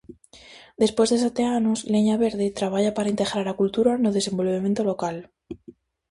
Despois de sete anos, Leña Verde traballa para integrar a cultura no desenvolvemento local.